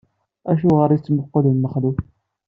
Acuɣeṛ i tettmuqqulem Mexluf?